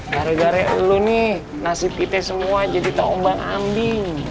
gara gara lu nih nasib kita semua jadi tombol ambing